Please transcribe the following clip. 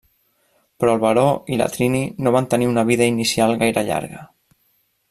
Però el Baró i la Trini no van tenir una vida inicial gaire llarga.